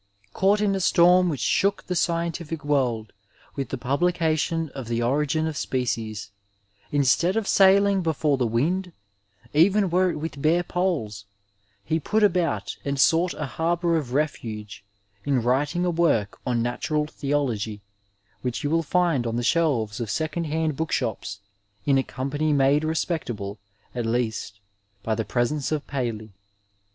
Caught in a storm which shook the scientific world with the publication of the Origin of Species, instead of sailing before the wind, even were it with bare poles, he put about and sought a harbour of refuge in writ ing a work on Natural Theology, which you will find on the shelves of second hand book shops in a company made re spectable at least by the presence of Paley.